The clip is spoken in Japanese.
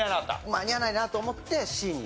間に合わないなと思ってＣに。